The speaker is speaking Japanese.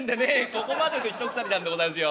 ここまででひとくさりなんでござんすよ。